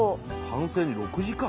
「完成に６時間」？